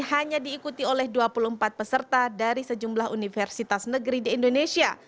hanya diikuti oleh dua puluh empat peserta dari sejumlah universitas negeri di indonesia